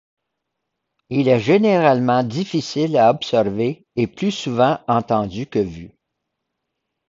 Il est généralement difficile à observer et plus souvent entendu que vu.